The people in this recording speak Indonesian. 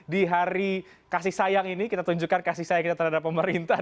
di hari kasih sayang ini kita tunjukkan kasih sayang kita terhadap pemerintah